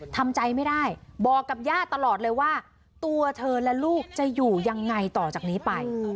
ทำใจไม่ได้บอกกับย่าตลอดเลยว่าตัวเธอและลูกจะอยู่ยังไงต่อจากนี้ไป